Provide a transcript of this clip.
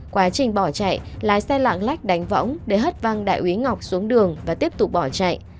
quá trình bỏ chạy lái xe lạng lách đánh võng để hất văng đại úy ngọc xuống đường và tiếp tục bỏ chạy